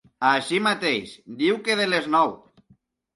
Així mateix, diu que de les nou.